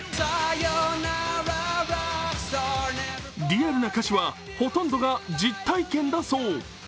リアルな歌詞は、ほとんどが実体験だそう。